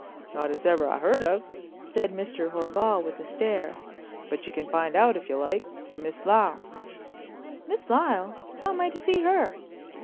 "Not as I ever heard of," said Mr. Horval, with a stare, "but you can find out, if you like, from Miss Lyle." "Miss Lyle! How am I to see her?"